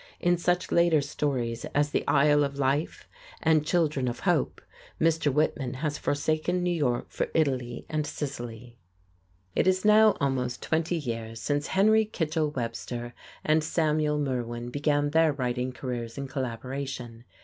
In such later stories as "The Isle of Life" and "Children of Hope," Mr. Whitman has forsaken New York for Italy and Sicily. [Illustration: JOSEPH C. LINCOLN] It is now almost twenty years since Henry Kitchell Webster and Samuel Merwin began their writing careers in collaboration.